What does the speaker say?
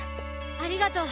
ありがとう。